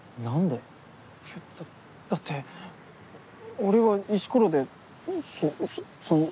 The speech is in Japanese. いやだだって俺は石ころでそその。